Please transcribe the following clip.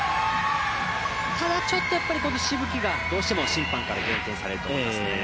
ただちょっとしぶきがどうしても審判から減点されると思いますね。